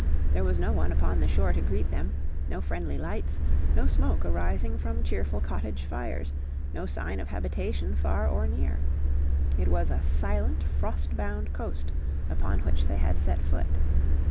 There was no one upon the shore to greet them, no friendly lights, no smoke arising from cheerful cottage fires, no sign of habitation far or near. It was a silent frost bound coast upon which they had set foot.